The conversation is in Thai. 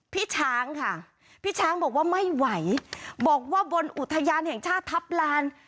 พี่ช้างค่ะพี่ช้างบอกว่าไม่ไหวบอกว่าบนอุทยานแห่งชาติทัพลาน